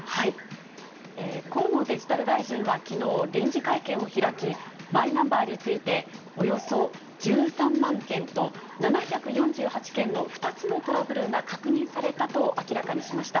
河野デジタル大臣はきのう、臨時会見を開き、マイナンバーについて、およそ１３万件と７４８件の２つのトラブルが確認されたと明らかにしました。